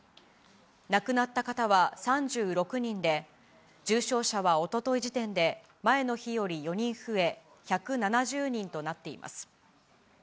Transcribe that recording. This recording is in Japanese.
亡くなった方は３６人で、重症者はおととい時点で、前の日より４人増え、１７０人となっています。